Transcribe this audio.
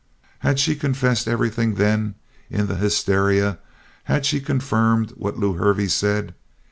Had she confessed everything, then, in the hysteria? Had she confirmed what Lew Hervey said?